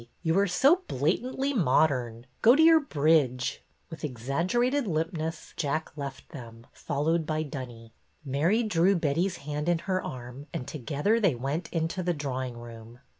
You are so blatantly modern. Go to your bridge." With exaggerated limpness Jack left them, followed by Dunny. 246 BETTY BAIRD'S VENTURES Mary drew Betty's hand in her arm, and together they went into the drawing room.